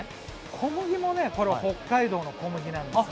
小麦も北海道の小麦なんです。